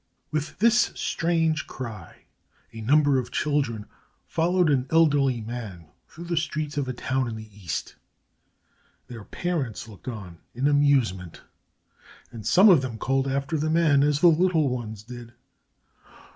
With this strange cry a number of children followed an elderly man through the streets of a town in the East. Their parents looked on in amusement and some of them called after the man as the little ones did.